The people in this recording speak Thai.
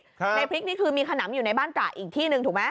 ในพริกนี่คือมีขนำอยู่ในบ้านตระอีกที่หนึ่งถูกไหม